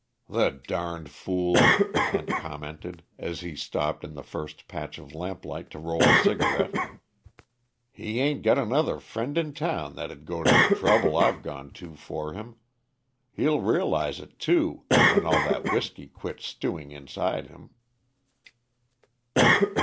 "The darned fool," Kent commented, as he stopped in the first patch of lamplight to roll a cigarette. "He ain't got another friend in town that'd go to the trouble I've gone to for him. He'll realize it, too, when all that whisky quits stewing inside him."